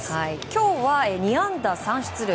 今日は２安打３出塁。